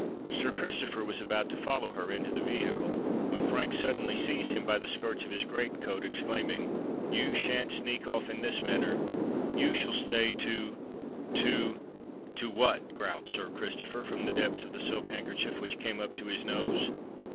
Sir Christopher was about to follow her into the vehicle, when Frank suddenly seized him by the skirts of his great coat, exclaiming, "You shan't sneak off in this manner: you shall stay to—to——" "To what?" growled Sir Christopher from the depths of the silk handkerchief which came up to his nose.